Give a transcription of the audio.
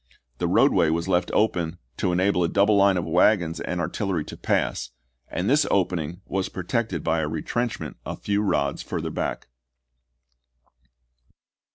The roadway was left open to "Fr|ndlm enable a double line of wagons and artillery to pass, ap. si. e' and this opening was protected by a retrenchment a few rods further back.